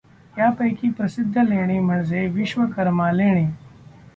यांपैकी प्रसिद्ध लेणे म्हणजे विश्वकर्मा लेणे.